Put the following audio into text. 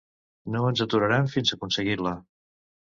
No ens aturarem fins a aconseguir-la.